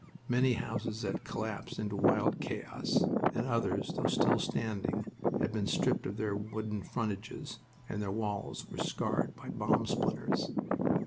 Many houses had collapsed into wild chaos, and others, though still standing, had been stripped of their wooden frontages and their walls were scarred by bomb splinters.